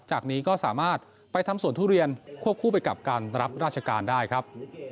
จากนี้ก็สามารถไปทำสวนทุเรียนควบคู่ไปกับการรับราชการได้ครับ